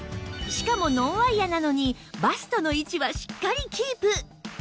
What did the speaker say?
しかもノンワイヤなのにバストの位置はしっかりキープ